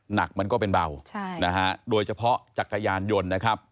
หนักมันก็เป็นเบาใช่นะฮะโดยเฉพาะจักรยานยนต์นะครับ